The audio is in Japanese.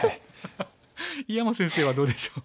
井山先生はどうでしょう？